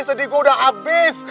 sedih gua udah abis